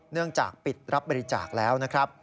เนื่องจากปิดรับบริจาคแล้ว